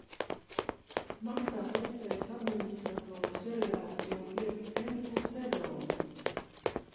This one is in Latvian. Maksātnespējas administratoru seriāls jau iet ento sezonu.